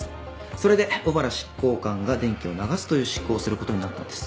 それで小原執行官が電気を流すという執行をする事になったんです。